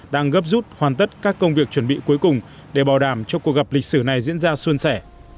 đang gấp rút hoàn tất các công việc chuẩn bị cuối cùng để bảo đảm cho cuộc gặp lịch sử này diễn ra xuân sẻ